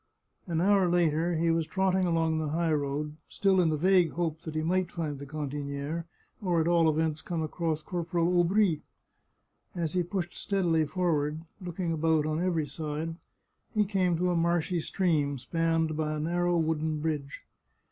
An hour later he was trotting along the high road, still in the vague hope that he might find the cantiniere, or at all events come across Corporal Aubry. As he pushed steadily forward, looking about on every side, he came to a marshy stream, spanned by a nar row wooden bridge.